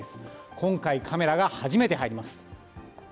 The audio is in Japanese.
今回、カメラが初めて入ります。